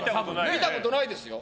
見たことないですよ。